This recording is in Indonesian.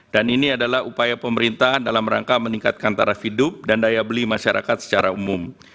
dan ini adalah upaya pemerintahan dalam rangka meningkatkan tarif hidup dan daya beli masyarakat secara umum